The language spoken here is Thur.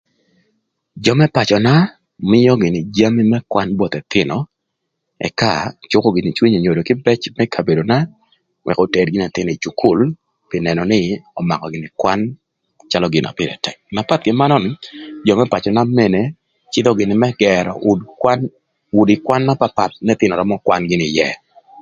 Jö më pacöna mïö gïnï jami më kwan both ëthïnö ëka cükö gïnï cwiny enyodo kïbëc më kabedona ëk oter gïnï ëthïnö ï cukul pï nënö nï ömakö gïnï kwan calö gin na pïrë tëk. Na path kï manön jö më pacöna mene cïdhö gïnï më gërö udi kwan udi kwan na papath n'ëthïnö römö kwan gïnï ïë.